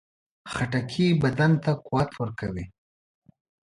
خټکی بدن ته قوت ورکوي.